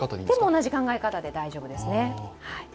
手も同じ考え方で大丈夫ですね。